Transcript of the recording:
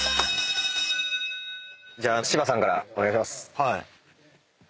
じゃあ芝さんからお願いします。